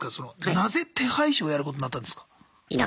なぜ手配師をやることなったんですか？